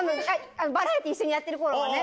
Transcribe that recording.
バラエティー、一緒にやってるころはね。